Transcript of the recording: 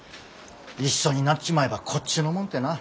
一緒になっちまえばこっちのもんってな。